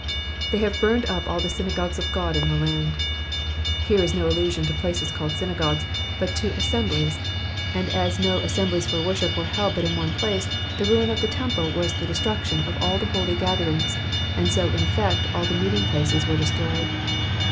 ^^They hate burned vp all the synagogues of Qod in the land.^"* lleic is no allusion to places called synagogues, but to assemblies ; and as no nssemblios for worship were held in but one place, the ruin of the temple was the destruction of all the holy gatherings, and so in effect all the meeting places were destroyed.